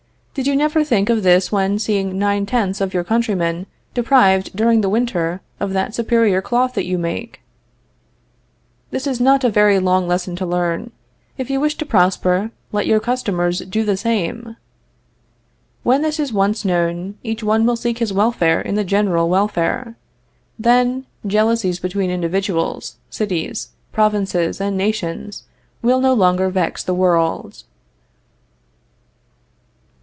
Did you never think of this when seeing nine tenths of your countrymen deprived during the winter of that superior cloth that you make? This is not a very long lesson to learn. If you wish to prosper, let your customers do the same. When this is once known, each one will seek his welfare in the general welfare. Then, jealousies between individuals, cities, provinces and nations, will no longer vex the world.